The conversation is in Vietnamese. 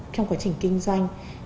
trong quá trình kinh doanh